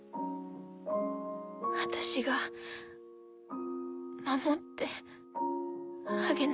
私が守ってあげなきゃ。